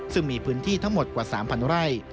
ซึ่งมีพื้นที่ทั้งหมดกว่า๓๐๐ไร่